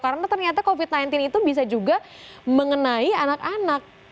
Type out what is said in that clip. karena ternyata covid sembilan belas itu bisa juga mengenai anak anak